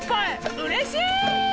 うれしい！